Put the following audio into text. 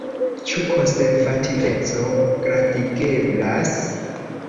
Ĉu konservativeco gradigeblas?